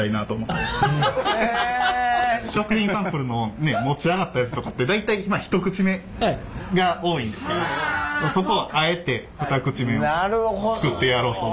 食品サンプルの持ち上がったやつとかって大体一口目が多いんですけどそこをあえて二口目を作ってやろうと。